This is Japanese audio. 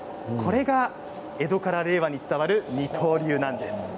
これが江戸から令和に伝わる二刀流なんです。